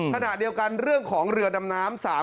ขณะเดียวกันเรื่องของเรือดำน้ำ